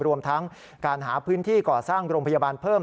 รวมทั้งการหาพื้นที่ก่อสร้างโรงพยาบาลเพิ่ม